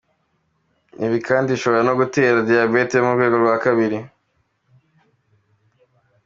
Ibi kandi bishobora no gutera diyabete yo mu rwego rwa kabiri.